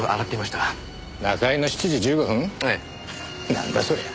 なんだそりゃ。